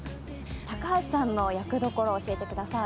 高橋さんの役どころ、教えてください。